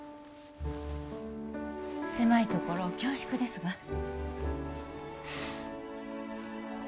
狭いところ恐縮ですが